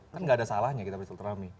kan nggak ada salahnya kita bersilaturahmi